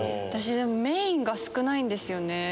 私メインが少ないんですよね。